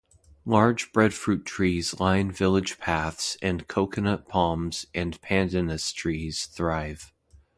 Large breadfruit trees line village paths and coconut palms and pandanus trees thrive.